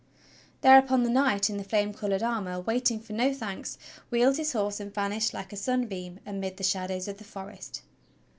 Thereupon the knight in the flame colored armor, waiting for no thanks, wheeled his horse and vanished like a sunbeam amid the shadows of the forest.